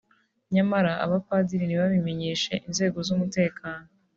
nyamara abapadiri ntibabimenyeshe inzego z’umutekano